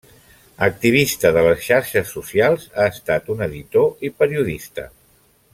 Activista de les xarxes socials, ha estat un editor i periodista.